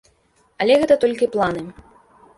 Але гэта толькі планы.